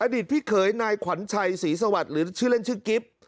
ตพี่เขยนายขวัญชัยศรีสวัสดิ์หรือชื่อเล่นชื่อกิฟต์